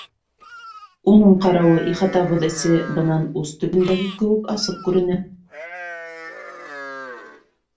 Уның ҡарауы, ихатабыҙ эсе бынан ус төбөндәге кеүек асыҡ күренә.